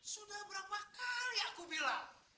sudah berapa kali aku bilang